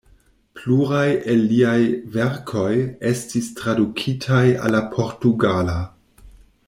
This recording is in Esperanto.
Pluraj el liaj verkoj estis tradukitaj al la portugala.